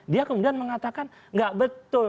dia kemudian mengatakan nggak betul